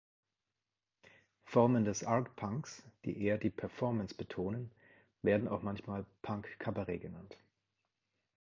Formen des Art-Punks, die eher die Performance betonen, werden auch manchmal „Punk Cabaret“ genannt.